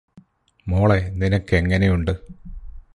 മോളെ നിനക്കെങ്ങനെയുണ്ട്